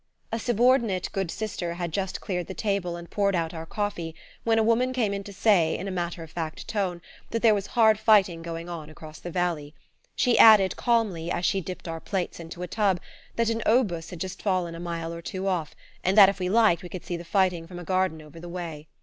A subordinate "good Sister" had just cleared the table and poured out our coffee when a woman came in to say, in a matter of fact tone, that there was hard fighting going on across the valley. She added calmly, as she dipped our plates into a tub, that an obus had just fallen a mile or two off, and that if we liked we could see the fighting from a garden over the way.